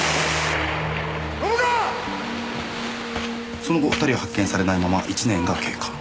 「その後２人は発見されないまま１年が経過」